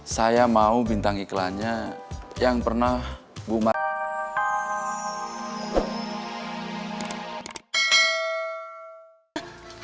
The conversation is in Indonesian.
saya mau bintang iklannya yang pernah bu marah